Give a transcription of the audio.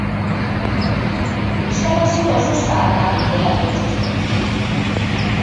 Instalazio oso zaharrak direla dio txostenak.